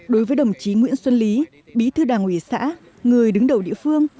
đối với đồng chí nguyễn xuân lý bí thư đảng ủy xã người đứng đầu địa phương